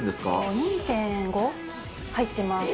２．５入ってます。